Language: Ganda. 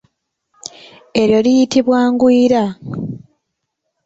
Eryo liyitibwa ngwiira.